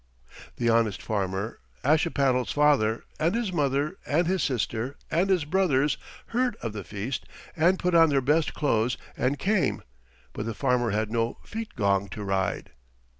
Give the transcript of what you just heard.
The honest farmer, Ashipattle's father, and his mother and his sister and his brothers heard of the feast and put on their best clothes and came, but the farmer had no Feetgong to ride.